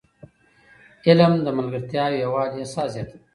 علم د ملګرتیا او یووالي احساس زیاتوي.